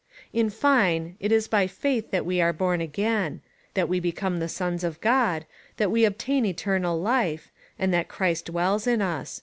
In fine, it is by faith that we are born again — that we be come the sons of God — that we obtain eternal life, and that Ghi'ist dwells in us.